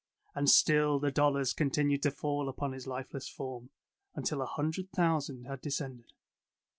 And still the dollars continued to fall upon his lifeless form, until a hundred thousand had de scended.